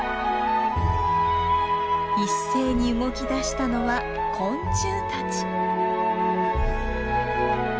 一斉に動きだしたのは昆虫たち。